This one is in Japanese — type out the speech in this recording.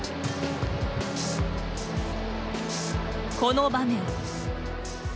この場面。